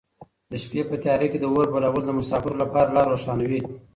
د شپې په تیاره کې د اور بلول د مساپرو لپاره لاره روښانوي.